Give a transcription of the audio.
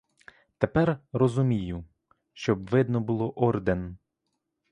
Тепер розумію: щоб видно було орден!